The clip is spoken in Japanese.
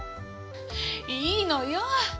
いいのよ。